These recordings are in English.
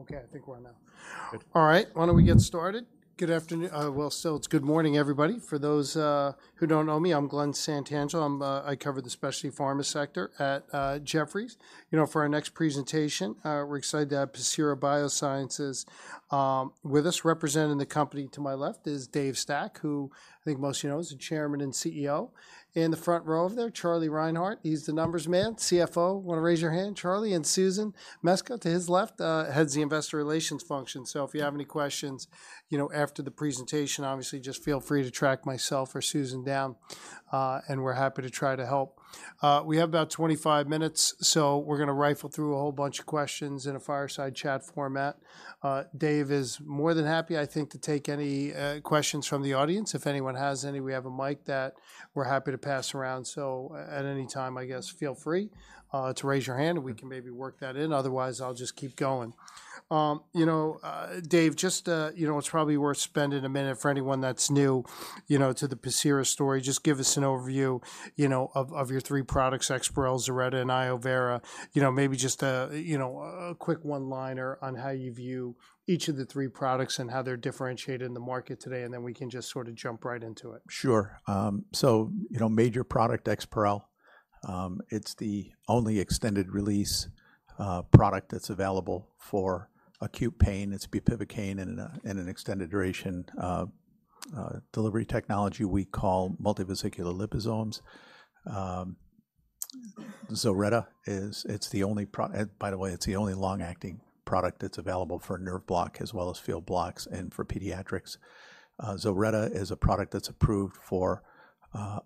Okay, I think we're on now. All right, why don't we get started? Good afternoon, well, still it's good morning, everybody. For those who don't know me, I'm Glen Santangelo. I cover the specialty pharma sector at Jefferies. You know, for our next presentation, we're excited to have Pacira BioSciences with us. Representing the company to my left is Dave Stack, who I think most of you know, is the Chairman and CEO. In the front row over there, Charlie Reinhart, he's the numbers man, CFO. Wanna raise your hand, Charlie? And Susan Mesco, to his left, heads the investor relations function. So if you have any questions, you know, after the presentation, obviously just feel free to track myself or Susan down, and we're happy to try to help. We have about 25 minutes, so we're gonna rifle through a whole bunch of questions in a fireside chat format. Dave is more than happy, I think, to take any questions from the audience. If anyone has any, we have a mic that we're happy to pass around, so at any time, I guess, feel free to raise your hand, and we can maybe work that in. Otherwise, I'll just keep going. You know, Dave, just, you know, it's probably worth spending a minute for anyone that's new, you know, to the Pacira story. Just give us an overview, you know, of your three products, EXPAREL, ZILRETTA, and iovera. You know, maybe just, you know, a quick one-liner on how you view each of the three products and how they're differentiated in the market today, and then we can just sort of jump right into it. Sure. So, you know, major product, EXPAREL, it's the only extended release product that's available for acute pain. It's bupivacaine in an extended duration delivery technology we call multivesicular liposomes. By the way, it's the only long-acting product that's available for nerve block, as well as field blocks, and for pediatrics. ZILRETTA is a product that's approved for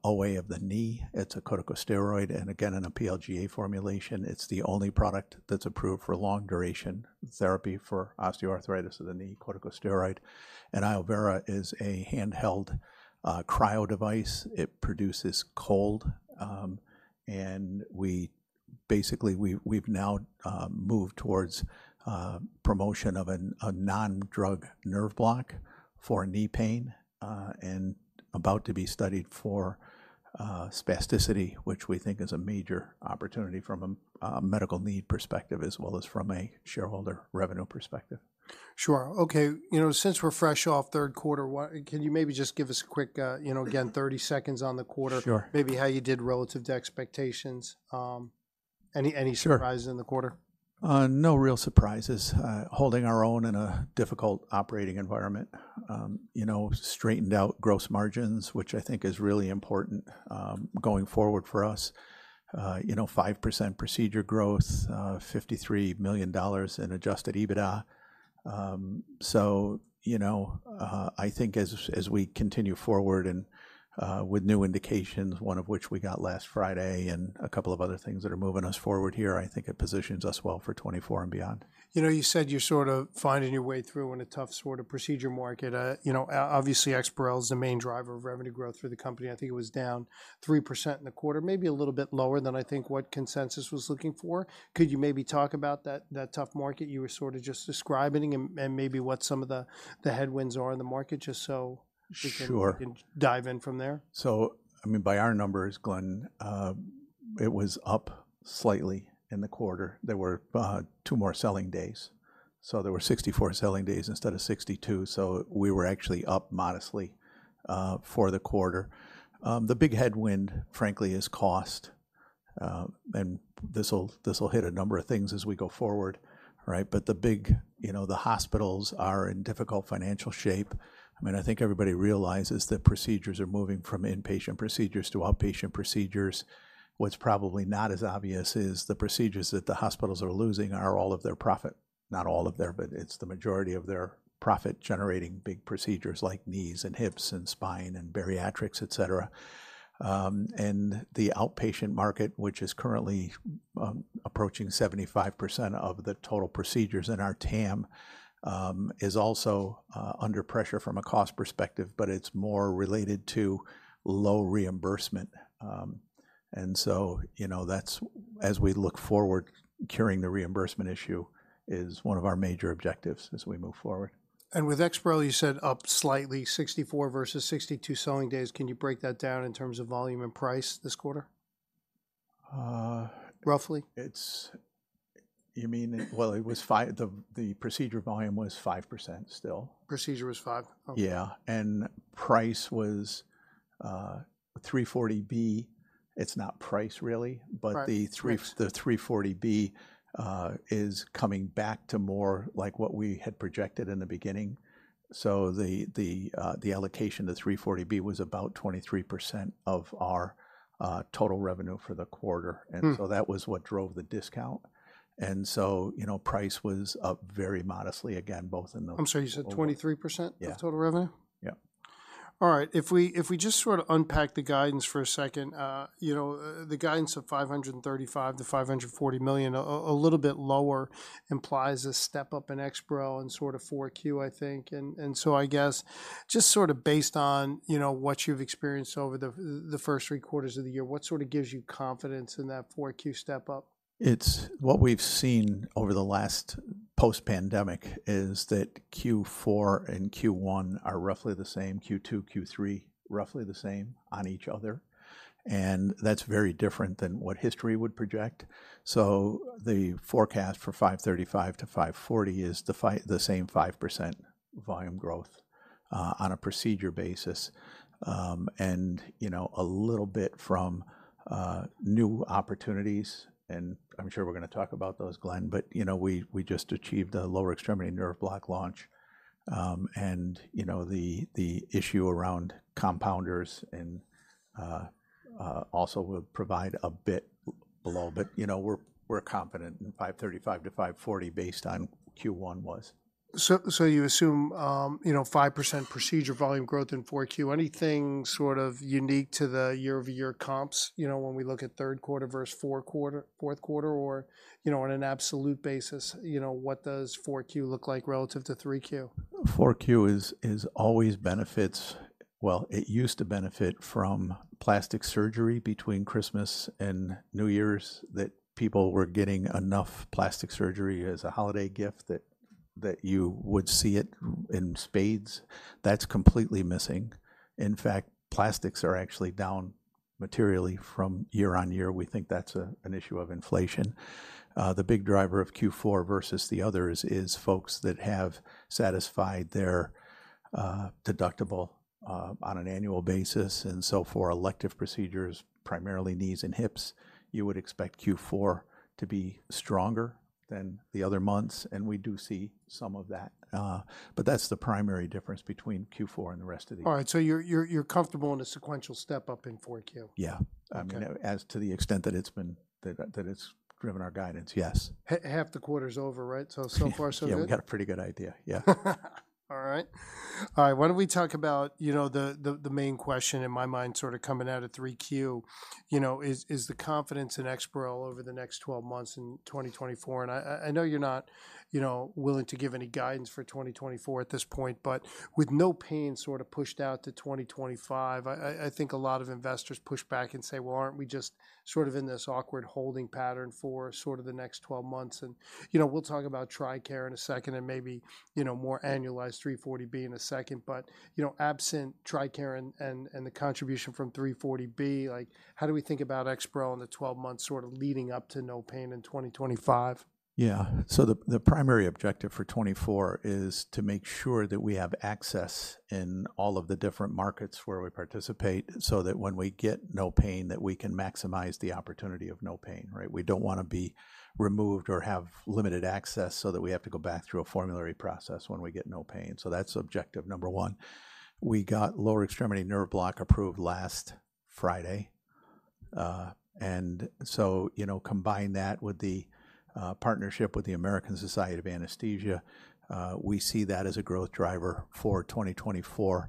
OA of the knee. It's a corticosteroid, and again, in a PLGA formulation, it's the only product that's approved for long-duration therapy for osteoarthritis of the knee, corticosteroid. And iovera is a handheld cryo device. It produces cold, and we basically, we've now moved towards promotion of a non-drug nerve block for knee pain, and about to be studied for spasticity, which we think is a major opportunity from a medical need perspective, as well as from a shareholder revenue perspective. Sure. Okay, you know, since we're fresh off third quarter, what can you maybe just give us a quick, you know, again, 30 seconds on the quarter? Sure. Maybe how you did relative to expectations. Any, any- Sure... surprises in the quarter? No real surprises. Holding our own in a difficult operating environment. You know, straightened out gross margins, which I think is really important, going forward for us. You know, 5% procedure growth, $53 million in Adjusted EBITDA. So, you know, I think as, as we continue forward and, with new indications, one of which we got last Friday, and a couple of other things that are moving us forward here, I think it positions us well for 2024 and beyond. You know, you said you're sort of finding your way through in a tough sort of procedure market. You know, obviously, EXPAREL is the main driver of revenue growth for the company. I think it was down 3% in the quarter, maybe a little bit lower than I think what consensus was looking for. Could you maybe talk about that, that tough market you were sort of just describing and, and maybe what some of the, the headwinds are in the market, just so- Sure... we can dive in from there? So, I mean, by our numbers, Glen, it was up slightly in the quarter. There were two more selling days. So there were 64 selling days instead of 62, so we were actually up modestly for the quarter. The big headwind, frankly, is cost, and this will hit a number of things as we go forward, right? But the big... You know, the hospitals are in difficult financial shape. I mean, I think everybody realizes that procedures are moving from inpatient procedures to outpatient procedures. What's probably not as obvious is the procedures that the hospitals are losing are all of their profit. Not all of their, but it's the majority of their profit-generating big procedures like knees and hips and spine and bariatrics, et cetera. The outpatient market, which is currently approaching 75% of the total procedures in our TAM, is also under pressure from a cost perspective, but it's more related to low reimbursement. So, you know, that's, as we look forward, curing the reimbursement issue is one of our major objectives as we move forward. With EXPAREL, you said up slightly, 64 versus 62 selling days. Can you break that down in terms of volume and price this quarter? Uh- Roughly? You mean, well, it was 5%. The procedure volume was 5% still. Procedure was 5%? Okay. Yeah, and price was, 340B. It's not price, really- Right... but the 340B is coming back to more like what we had projected in the beginning. So the allocation to 340B was about 23% of our total revenue for the quarter. Mm. So that was what drove the discount. So, you know, price was up very modestly, again, both in the- I'm sorry, you said 23%- Yeah... of total revenue? Yeah. All right. If we just sort of unpack the guidance for a second, you know, the guidance of $535 million-$540 million, a little bit lower, implies a step up in EXPAREL and sort of 4Q, I think. And so I guess, just sort of based on, you know, what you've experienced over the first three quarters of the year, what sort of gives you confidence in that 4Q step up? It's what we've seen over the last post-pandemic, is that Q4 and Q1 are roughly the same, Q2, Q3, roughly the same on each other, and that's very different than what history would project. So the forecast for $535-$540 is the same 5% volume growth on a procedure basis. And, you know, a little bit from new opportunities, and I'm sure we're gonna talk about those, Glen. But, you know, we just achieved a lower extremity nerve block launch. And, you know, the issue around compounders and also will provide a bit below. But, you know, we're confident in $535-$540 based on Q1 was. You assume 5% procedure volume growth in 4Q. Anything sort of unique to the year-over-year comps, you know, when we look at third quarter versus fourth quarter or, you know, on an absolute basis, you know, what does 4Q look like relative to 3Q? 4Q is always benefits. Well, it used to benefit from plastic surgery between Christmas and New Year's, that people were getting enough plastic surgery as a holiday gift that you would see it in spades. That's completely missing. In fact, plastics are actually down materially from year-on-year. We think that's an issue of inflation. The big driver of Q4 versus the others is folks that have satisfied their deductible on an annual basis. And so for elective procedures, primarily knees and hips, you would expect Q4 to be stronger than the other months, and we do see some of that. But that's the primary difference between Q4 and the rest of the year. All right, so you're comfortable in a sequential step-up in 4Q? Yeah. Okay. You know, as to the extent that it's been... that it's driven our guidance, yes. Half the quarter's over, right? So far so good? Yeah, we've got a pretty good idea. Yeah. All right. All right, why don't we talk about, you know, the main question in my mind, sort of coming out of 3Q, you know, is the confidence in EXPAREL over the next 12 months in 2024. And I know you're not, you know, willing to give any guidance for 2024 at this point, but with NOPAIN sort of pushed out to 2025, I think a lot of investors push back and say: "Well, aren't we just sort of in this awkward holding pattern for sort of the next 12 months?" And, you know, we'll talk about TRICARE in a second and maybe, you know, more annualized 340B in a second. You know, absent TRICARE and the contribution from 340B, like, how do we think about EXPAREL in the 12 months sort of leading up to NOPAIN in 2025? Yeah. So the primary objective for 2024 is to make sure that we have access in all of the different markets where we participate, so that when we get NOPAIN, that we can maximize the opportunity of NOPAIN, right? We don't wanna be removed or have limited access, so that we have to go back through a formulary process when we get NOPAIN. So that's objective number one. We got lower extremity nerve block approved last Friday. And so, you know, combine that with the partnership with the American Society of Anesthesiologists, we see that as a growth driver for 2024.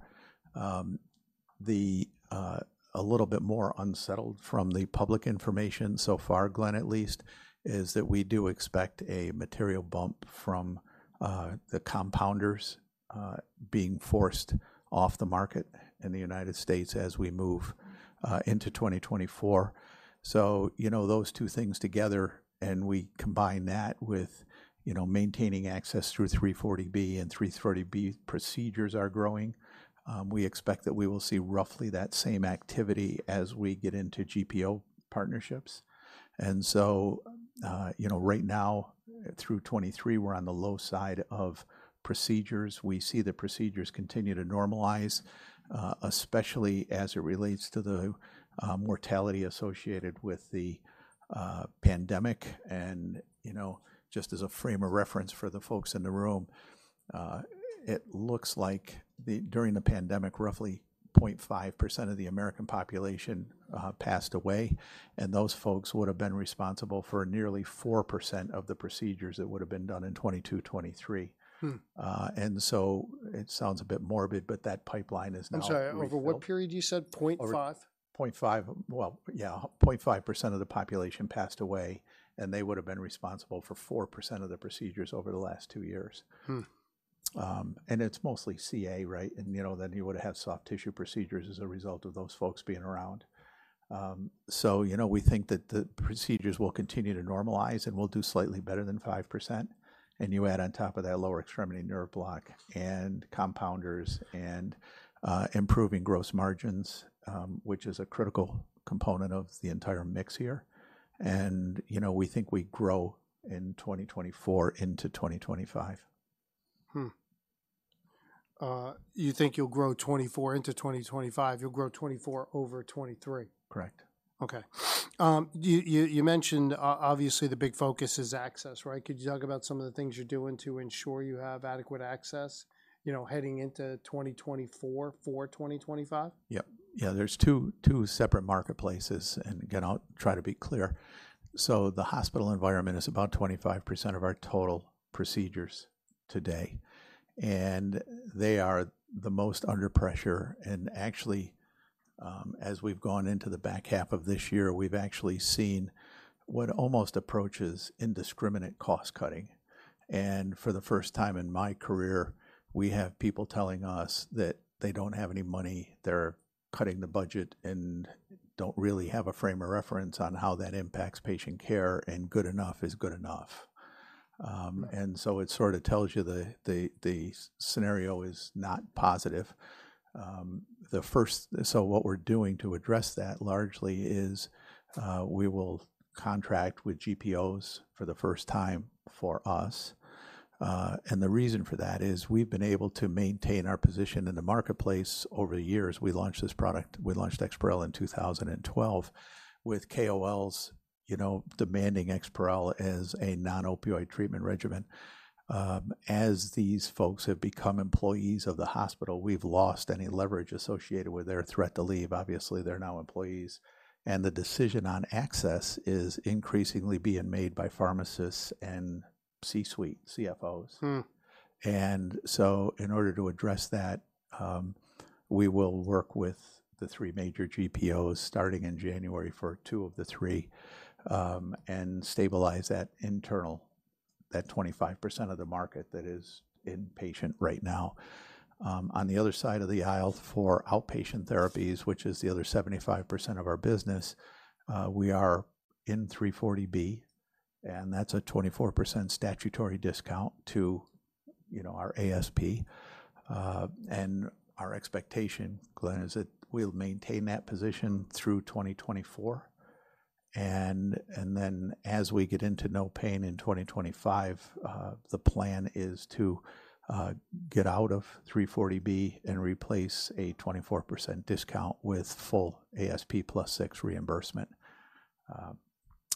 A little bit more unsettled from the public information so far, Glen, at least, is that we do expect a material bump from the compounders being forced off the market in the United States as we move into 2024. So, you know, those two things together, and we combine that with, you know, maintaining access through 340B, and 340B procedures are growing. We expect that we will see roughly that same activity as we get into GPO partnerships. And so, you know, right now, through 2023, we're on the low side of procedures. We see the procedures continue to normalize, especially as it relates to the mortality associated with the pandemic. You know, just as a frame of reference for the folks in the room, it looks like during the pandemic, roughly 0.5% of the American population passed away, and those folks would have been responsible for nearly 4% of the procedures that would have been done in 2022, 2023. Hmm. And so it sounds a bit morbid, but that pipeline is now- I'm sorry. Over what period you said? 0.5%? Well, yeah, 0.5% of the population passed away, and they would have been responsible for 4% of the procedures over the last two years. Hmm. And it's mostly CA, right? And, you know, then you would have soft tissue procedures as a result of those folks being around. So, you know, we think that the procedures will continue to normalize, and we'll do slightly better than 5%. And you add on top of that lower extremity nerve block and compounders and improving gross margins, which is a critical component of the entire mix here. And, you know, we think we grow in 2024 into 2025. You think you'll grow 2024 into 2025? You'll grow 2024 over 2023? Correct. Okay. You mentioned, obviously, the big focus is access, right? Could you talk about some of the things you're doing to ensure you have adequate access, you know, heading into 2024 for 2025? Yep. Yeah, there's two separate marketplaces, and again, I'll try to be clear. So the hospital environment is about 25% of our total procedures today, and they are the most under pressure. And actually, as we've gone into the back half of this year, we've actually seen what almost approaches indiscriminate cost-cutting. And for the first time in my career, we have people telling us that they don't have any money, they're cutting the budget, and don't really have a frame of reference on how that impacts patient care, and good enough is good enough. And so it sort of tells you the scenario is not positive. So what we're doing to address that largely is, we will contract with GPOs for the first time for us. and the reason for that is we've been able to maintain our position in the marketplace over the years. We launched this product, we launched EXPAREL in 2012 with KOLs, you know, demanding EXPAREL as a non-opioid treatment regimen. As these folks have become employees of the hospital, we've lost any leverage associated with their threat to leave. Obviously, they're now employees, and the decision on access is increasingly being made by pharmacists and C-suite, CFOs. Hmm. In order to address that, we will work with the three major GPOs, starting in January for two of the three, and stabilize that internal, that 25% of the market that is inpatient right now. On the other side of the aisle, for outpatient therapies, which is the other 75% of our business, we are in 340B, and that's a 24% statutory discount to, you know, our ASP. And our expectation, Glen, is that we'll maintain that position through 2024, and then as we get into NOPAIN in 2025, the plan is to get out of 340B and replace a 24% discount with full ASP plus six reimbursement.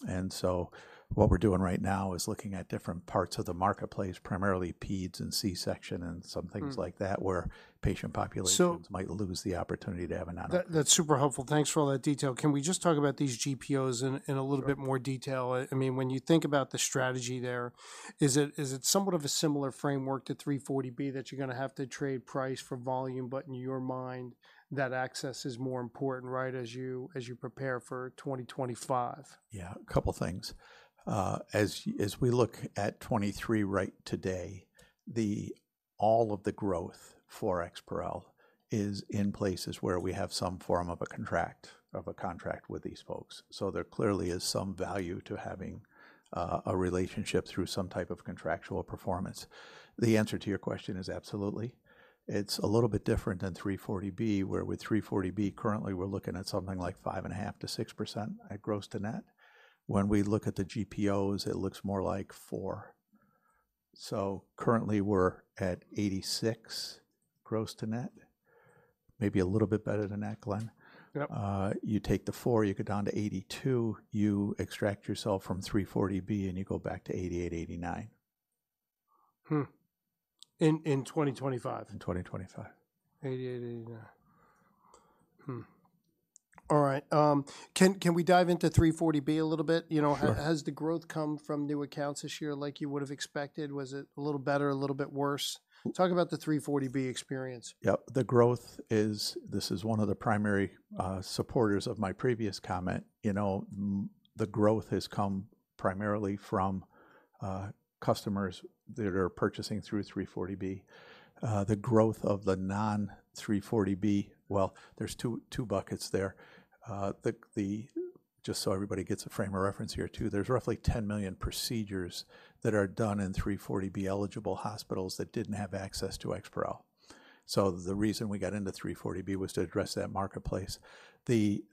And so what we're doing right now is looking at different parts of the marketplace, primarily peds and C-section and some things- Hmm... like that, where patient populations- So- might lose the opportunity to have an option. That, that's super helpful. Thanks for all that detail. Can we just talk about these GPOs in a little- Sure... bit more detail? I mean, when you think about the strategy there, is it somewhat of a similar framework to 340B, that you're gonna have to trade price for volume, but in your mind, that access is more important, right? As you prepare for 2025. Yeah. A couple things. As we look at 2023 right today, all of the growth for EXPAREL is in places where we have some form of a contract with these folks, so there clearly is some value to having a relationship through some type of contractual performance. The answer to your question is absolutely. It's a little bit different than 340B, where with 340B, currently, we're looking at something like 5.5%-6% at gross to net. When we look at the GPOs, it looks more like 4%. So currently, we're at 86%, gross to net, maybe a little bit better than that, Glen. Yep. You take the four, you go down to 82, you extract yourself from 340B, and you go back to 88, 89. Hmm. In 2025? In 2025. 88, 89. All right, can we dive into 340B a little bit? You know- Sure... has the growth come from new accounts this year, like you would've expected? Was it a little better, a little bit worse? Hmm. Talk about the 340B experience. Yep. The growth is... This is one of the primary supporters of my previous comment. You know, the growth has come primarily from customers that are purchasing through 340B. The growth of the non-340B... Well, there's two, two buckets there. Just so everybody gets a frame of reference here, too, there's roughly 10 million procedures that are done in 340B-eligible hospitals that didn't have access to EXPAREL. So the reason we got into 340B was to address that marketplace. The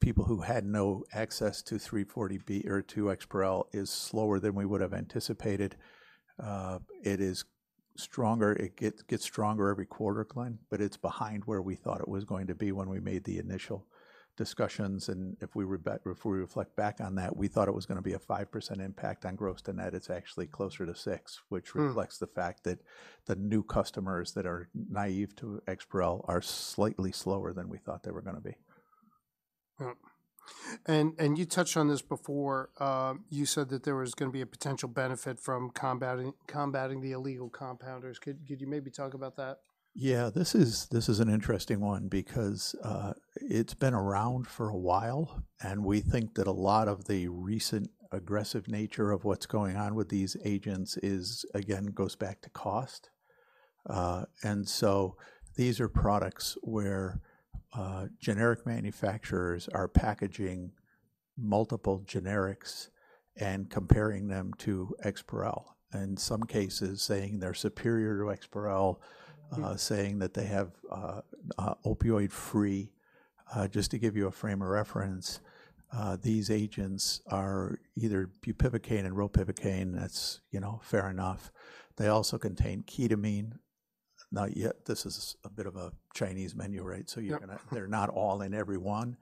people who had no access to 340B or to EXPAREL is slower than we would've anticipated. It is stronger, it gets stronger every quarter, Glen, but it's behind where we thought it was going to be when we made the initial discussions. And if we reflect back on that, we thought it was gonna be a 5% impact on gross to net. It's actually closer to 6%. Hmm... which reflects the fact that the new customers that are naive to EXPAREL are slightly slower than we thought they were gonna be. You touched on this before. You said that there was gonna be a potential benefit from combating the illegal compounders. Could you maybe talk about that? Yeah. This is, this is an interesting one because, it's been around for a while, and we think that a lot of the recent aggressive nature of what's going on with these agents is, again, goes back to cost. And so these are products where, generic manufacturers are packaging multiple generics and comparing them to EXPAREL, and some cases, saying they're superior to EXPAREL. Hmm... saying that they have opioid-free. Just to give you a frame of reference, these agents are either bupivacaine and ropivacaine. That's, you know, fair enough. They also contain ketamine, not yet... This is a bit of a Chinese menu, right? Yep. So they're not all in every one,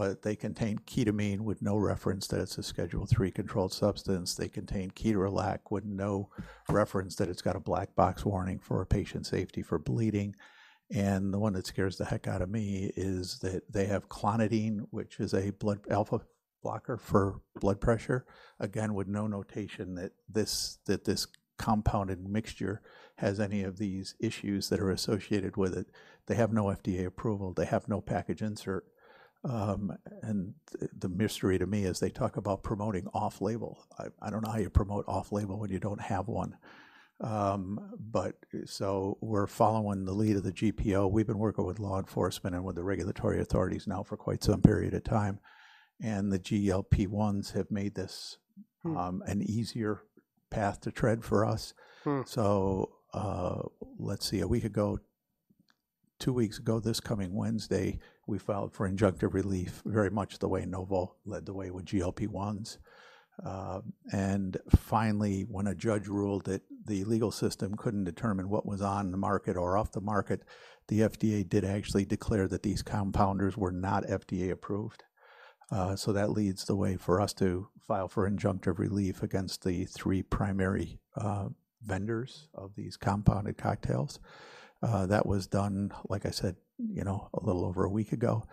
but they contain ketamine with no reference that it's a Schedule III controlled substance. They contain ketorolac with no reference that it's got a black box warning for patient safety, for bleeding. And the one that scares the heck out of me is that they have clonidine, which is a blood alpha blocker for blood pressure. Again, with no notation that this compounded mixture has any of these issues that are associated with it. They have no FDA approval. They have no package insert. And the mystery to me is they talk about promoting off-label. I don't know how you promote off-label when you don't have one. But so we're following the lead of the GPO. We've been working with law enforcement and with the regulatory authorities now for quite some period of time, and the GLP-1s have made this- Hmm... an easier path to tread for us. Hmm. So, let's see, a week ago, two weeks ago this coming Wednesday, we filed for injunctive relief, very much the way Novo led the way with GLP-1s. And finally, when a judge ruled that the legal system couldn't determine what was on the market or off the market, the FDA did actually declare that these compounders were not FDA-approved. So that leads the way for us to file for injunctive relief against the three primary vendors of these compounded cocktails. That was done, like I said, you know, a little over a week ago.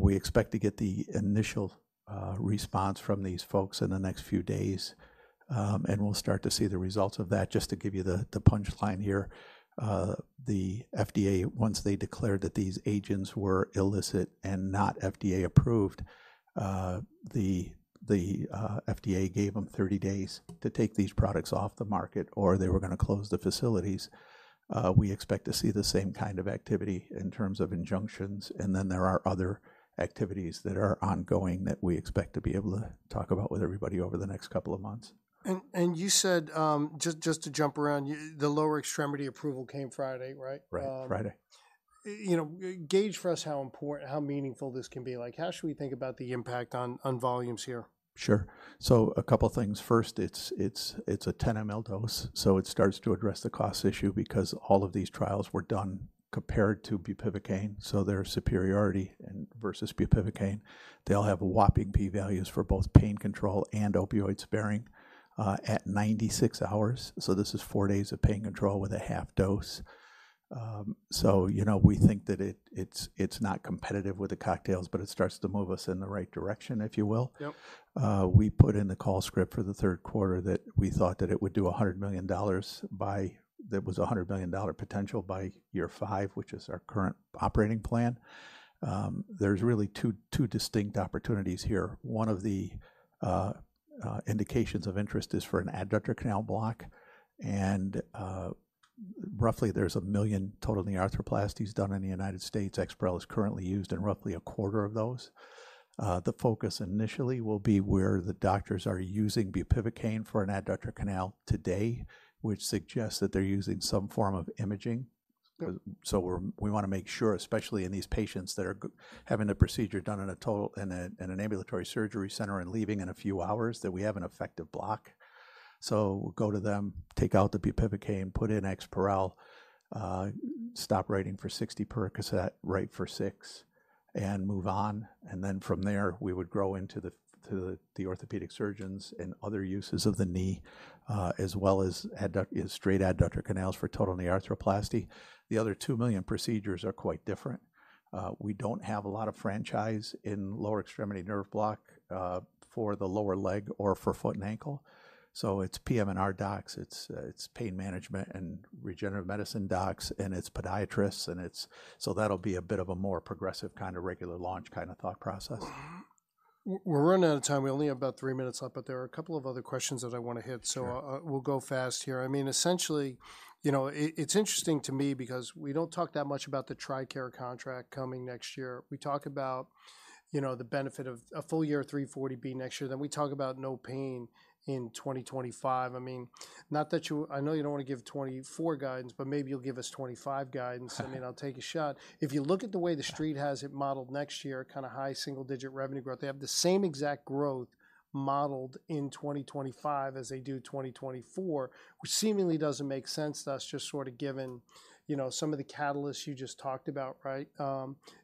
We expect to get the initial response from these folks in the next few days, and we'll start to see the results of that. Just to give you the punchline here, the FDA, once they declared that these agents were illicit and not FDA-approved, the FDA gave them 30 days to take these products off the market, or they were gonna close the facilities. We expect to see the same kind of activity in terms of injunctions, and then there are other activities that are ongoing that we expect to be able to talk about with everybody over the next couple of months. You said, just to jump around, the lower extremity approval came Friday, right? Right. Friday. You know, gauge for us how important, how meaningful this can be. Like, how should we think about the impact on, on volumes here? Sure. So a couple things. First, it's a 10-ml dose, so it starts to address the cost issue because all of these trials were done compared to bupivacaine, so their superiority and versus bupivacaine. They all have whopping P-values for both pain control and opioid sparing at 96 hours, so this is four days of pain control with a half dose. So, you know, we think that it's not competitive with the cocktails, but it starts to move us in the right direction, if you will. Yep. We put in the call script for the third quarter that we thought that it would do $100 million by... There was a $100 million potential by year five, which is our current operating plan. There's really two, two distinct opportunities here. One of the indications of interest is for an adductor canal block, and roughly there's 1 million total knee arthroplasties done in the United States. EXPAREL is currently used in roughly a quarter of those. The focus initially will be where the doctors are using bupivacaine for an adductor canal today, which suggests that they're using some form of imaging. Good. So we wanna make sure, especially in these patients that are having a procedure done in an ambulatory surgery center and leaving in a few hours, that we have an effective block. So go to them, take out the bupivacaine, put in EXPAREL, stop writing for 60 Percocet, write for six, and move on. And then from there, we would grow into the orthopedic surgeons and other uses of the knee, as well as straight adductor canals for total knee arthroplasty. The other two million procedures are quite different. We don't have a lot of franchise in lower extremity nerve block for the lower leg or for foot and ankle. So it's PM&R docs, it's pain management and regenerative medicine docs, and it's podiatrists, and it's... That'll be a bit of a more progressive, kind of regular launch kind of thought process. We're running out of time. We only have about three minutes left, but there are a couple of other questions that I wanna hit. Sure. So, we'll go fast here. I mean, essentially, you know, it, it's interesting to me because we don't talk that much about the TRICARE contract coming next year. We talk about, you know, the benefit of a full year 340B next year, then we talk about NOPAIN in 2025. I mean, not that you... I know you don't wanna give 2024 guidance, but maybe you'll give us 2025 guidance. I mean, I'll take a shot. If you look at the way the street has it modeled next year, kinda high single-digit revenue growth, they have the same exact growth modeled in 2025 as they do 2024, which seemingly doesn't make sense to us, just sort of given, you know, some of the catalysts you just talked about, right?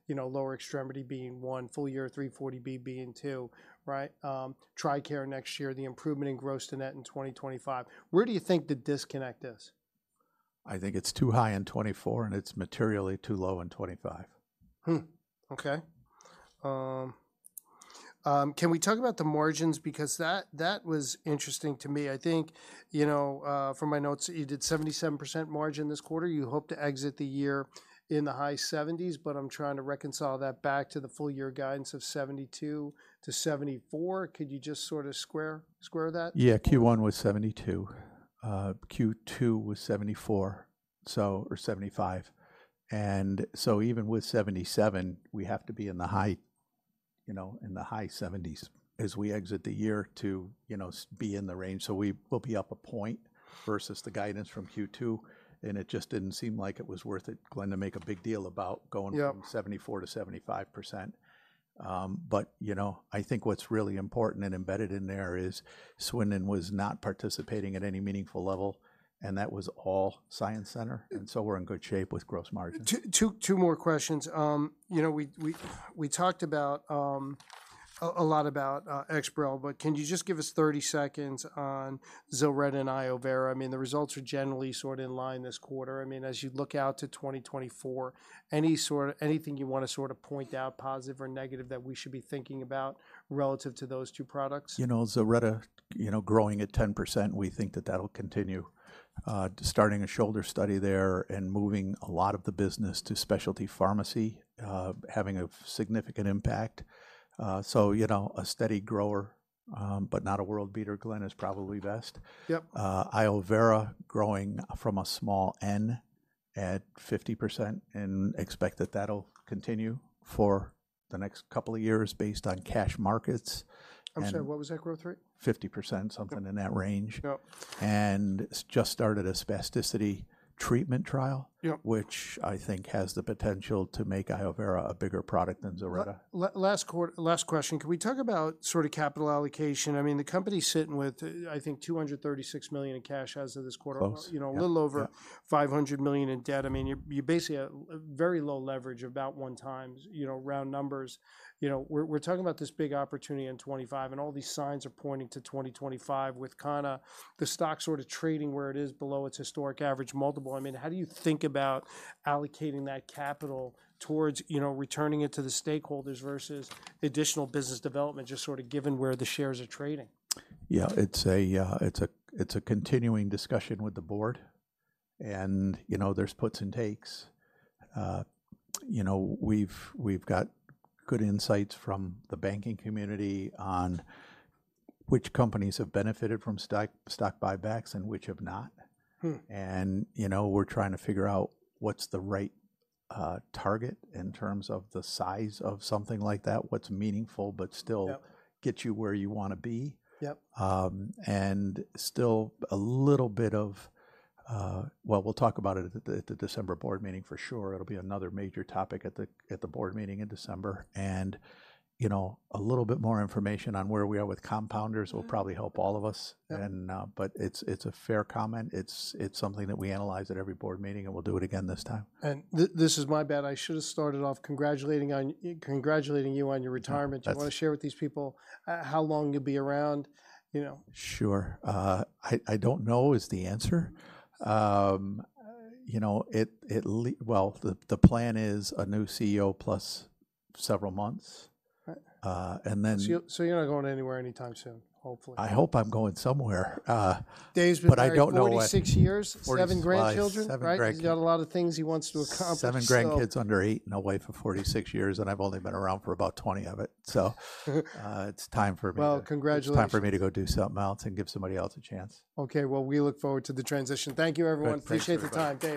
You know, lower extremity being one, full year 340B being two, right? TRICARE next year, the improvement in gross to net in 2025. Where do you think the disconnect is? I think it's too high in 2024, and it's materially too low in 2025. Okay. Can we talk about the margins? Because that was interesting to me. I think, you know, from my notes, you did 77% margin this quarter. You hope to exit the year in the high 70s, but I'm trying to reconcile that back to the full year guidance of 72%-74%. Could you just sort of square that? Yeah. Q1 was 72%, Q2 was 74%, so or 75%, and so even with 77%, we have to be in the high, you know, in the high 70s as we exit the year to, you know, be in the range. So we'll be up a point versus the guidance from Q2, and it just didn't seem like it was worth it, Glen, to make a big deal about going- Yep... from 74%-75%. But, you know, I think what's really important and embedded in there is ZILRETTA was not participating at any meaningful level, and that was all EXPAREL, and so we're in good shape with gross margin. Two more questions. You know, we talked about a lot about EXPAREL, but can you just give us 30 seconds on ZILRETTA and iovera? I mean, the results are generally sort of in line this quarter. I mean, as you look out to 2024, anything you wanna sort of point out, positive or negative, that we should be thinking about relative to those two products? You know, ZILRETTA, you know, growing at 10%, we think that that'll continue. Starting a shoulder study there and moving a lot of the business to specialty pharmacy, having a significant impact. So, you know, a steady grower, but not a world beater, Glen, is probably best. Yep. Iovera growing from a small N at 50% and expect that that'll continue for the next couple of years based on cash markets, and- I'm sorry, what was that growth rate? 50%, something in that range. Yep. It's just started a spasticity treatment trial- Yep... which I think has the potential to make iovera a bigger product than ZILRETTA. Last question, can we talk about sort of capital allocation? I mean, the company's sitting with, I think $236 million in cash as of this quarter. Close. You know, a little over- Yeah, yeah... $500 million in debt. I mean, you're basically at a very low leverage, about 1x, you know, round numbers. You know, we're talking about this big opportunity in 2025, and all these signs are pointing to 2025 with kind of the stock sort of trading where it is below its historic average multiple. I mean, how do you think about allocating that capital towards, you know, returning it to the stakeholders versus the additional business development, just sort of given where the shares are trading? Yeah, it's a continuing discussion with the board, and, you know, there's puts and takes. You know, we've got good insights from the banking community on which companies have benefited from stock buybacks and which have not. Hmm. You know, we're trying to figure out what's the right target in terms of the size of something like that, what's meaningful, but still- Yep... get you where you wanna be. Yep. Well, we'll talk about it at the, the December board meeting for sure. It'll be another major topic at the, at the board meeting in December. And, you know, a little bit more information on where we are with compounders will probably help all of us. Yep. And, but it's, it's a fair comment. It's, it's something that we analyze at every board meeting, and we'll do it again this time. This is my bad. I should've started off congratulating on, congratulating you on your retirement. That's- Do you wanna share with these people how long you'll be around, you know? Sure. I don't know is the answer. You know, well, the plan is a new CEO plus several months. Right. And then- So you're not going anywhere anytime soon, hopefully? I hope I'm going somewhere. Dave's been married 46 years. But I don't know when. Seven grandchildren. Seven grandkids. Right? He's got a lot of things he wants to accomplish, so. Seven grandkids under eight and a wife of 46 years, and I've only been around for about 20 of it, so it's time for me to- Well, congratulations. It's time for me to go do something else and give somebody else a chance. Okay. Well, we look forward to the transition. Thank you, everyone. Good. Thank you. Appreciate the time. Thanks.